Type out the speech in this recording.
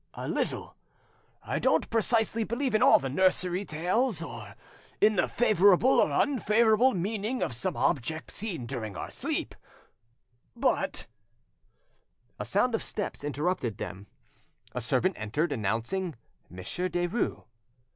"A little. I don't precisely believe all the nursery, tales, or in the favourable or unfavourable meaning of some object seen during our sleep, but—" A sound of steps interrupted them, a servant entered, announcing Monsieur Derues.